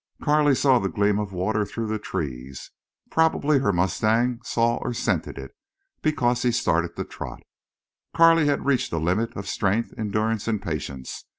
Carley saw the gleam of water through the trees. Probably her mustang saw or scented it, because he started to trot. Carley had reached a limit of strength, endurance, and patience.